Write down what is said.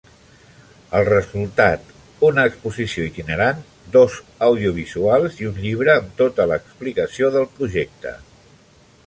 El resultat: una exposició itinerant, dos audiovisuals i un llibre amb tota l'explicació del projecte.